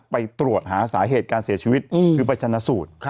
ไปตรวจหาสาเหตุการเสียชีวิตคือไปชนะสูตร